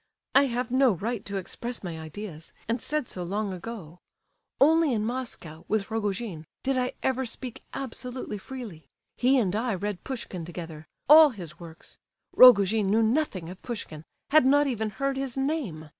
I have no right to express my ideas, and said so long ago. Only in Moscow, with Rogojin, did I ever speak absolutely freely! He and I read Pushkin together—all his works. Rogojin knew nothing of Pushkin, had not even heard his name.